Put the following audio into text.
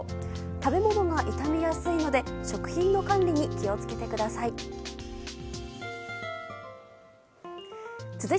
食べ物が傷みやすいので食品の管理に気を付けてください。